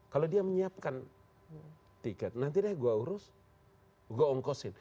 kalau dia menyiapkan tiket nanti deh gue urus gue ongkosin